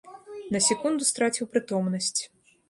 На секунду страціў прытомнасць.